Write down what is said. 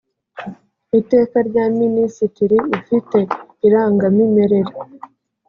iteka rya minisitiri ufite irangamimerere